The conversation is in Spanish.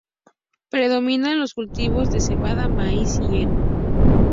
Predominan los cultivos de cebada, maíz y heno.